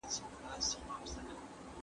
مارکوپولو ایټالوی سیلانی و.